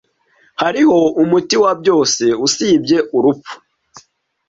Hariho umuti wa byose, usibye urupfu.